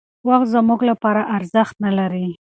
وخت زموږ لپاره ارزښت نهلري.